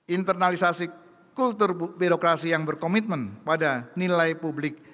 internalisasi kultur birokrasi yang berkomitmen pada nilai publik